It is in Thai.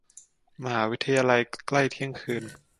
มหาวิทยาลัย ใกล้เที่ยงคืน